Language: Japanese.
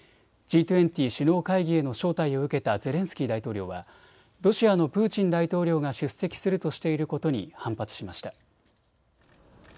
Ｇ２０首脳会議への招待を受けたゼレンスキー大統領はロシアのプーチン大統領が出席するとしていることに反発しました。